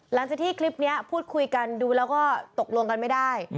หลังจากที่คลิปนี้พูดคุยกันดูแล้วก็ตกลงกันไม่ได้